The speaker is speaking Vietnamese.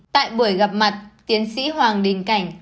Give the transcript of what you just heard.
tại buổi gặp mặt tiến sĩ hoàng đình cảnh